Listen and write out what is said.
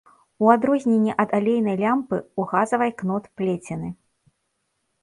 У адрозненне ад алейнай лямпы, у газавай кнот плецены.